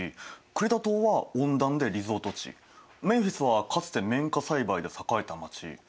クレタ島は温暖でリゾート地メンフィスはかつて綿花栽培で栄えた街。